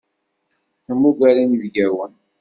Temmuger inebgawen.